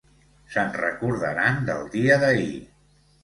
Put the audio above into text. Se'n recordaran, del dia d'ahir.